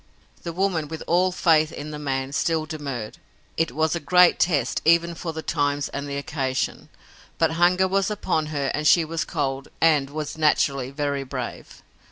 The woman, with all faith in the man, still demurred. It was a great test, even for the times and the occasion. But hunger was upon her and she was cold and was, naturally, very brave.